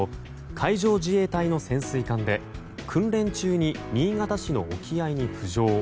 海上自衛隊の潜水艦で訓練中に、新潟市の沖合に浮上。